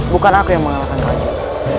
bukan aku yang mengalahkan maju